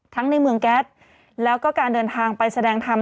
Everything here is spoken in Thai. ในเมืองแก๊สแล้วก็การเดินทางไปแสดงธรรม